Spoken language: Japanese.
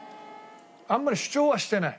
あんまり主張はしてない。